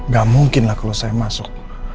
gak mungkin lah kalau saya masuk